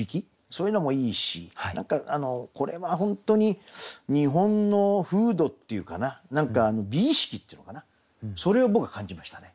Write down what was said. そういうのもいいし何かこれは本当に日本の風土っていうかな何か美意識っていうのかなそれを僕感じましたね。